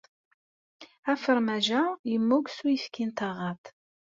Afermaj-a yemmug s uyefki n taɣaṭ.